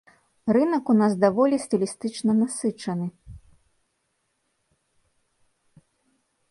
Рынак у нас даволі стылістычна насычаны.